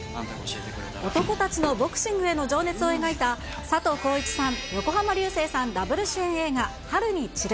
男たちのボクシングへの情熱を描いた佐藤浩市さん、横浜流星さん、ダブル主演映画、春に散る。